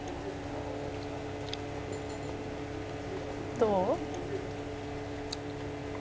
「どう？」